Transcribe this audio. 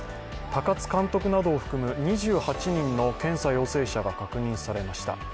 高津監督などを含む２８人の検査陽性者が確認されました。